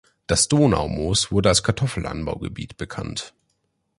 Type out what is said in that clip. Das Donaumoos wurde als Kartoffel-Anbaugebiet bekannt.